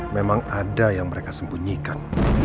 memang ada yang mereka sembunyikan